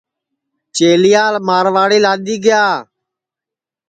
چیلِیا مارواڑی لادؔی گا